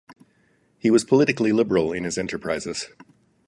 He was politically liberal in his enterprises.